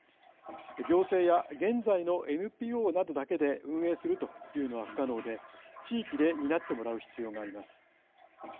行政や現在のＮＰＯなどだけで運営するというのは不可能で地域で担ってもらう必要があります。